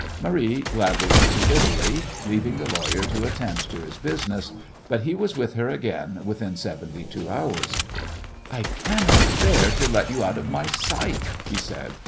Marie gladly went to Italy, leaving the lawyer to attend to his business, but he was with her again within seventy two hours. "I cannot bear to let you out of my sight," he said.